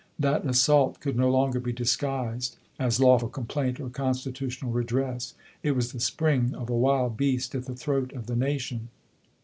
That assault could no longer be disguised as lawful complaint or constitutional redress — it was the spring of a wild beast at the throat of the nation.